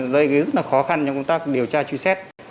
đây rất là khó khăn cho công tác điều tra truy xét